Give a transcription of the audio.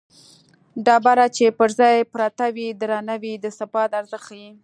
ډبره چې پر ځای پرته وي درنه وي د ثبات ارزښت ښيي